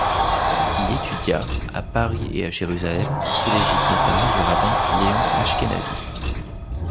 Il étudia, à Paris et à Jérusalem, sous l'égide notamment du rabbin Léon Ashkenazi.